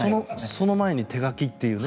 その前に手書きというね。